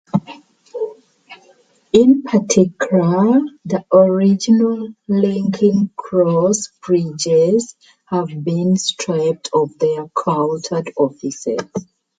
In particular the original linking cross bridges have been stripped of their cluttered offices.